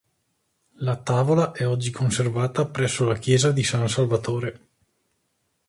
La tavola è oggi conservata presso la chiesa di San Salvatore.